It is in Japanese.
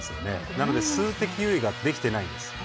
なので数的優位ができてないんです。